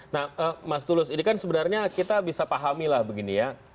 nah mas tulus ini kan sebenarnya kita bisa pahami lah begini ya